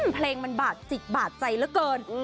เพลงมันบาดจิตบาดใจเหลือเกิน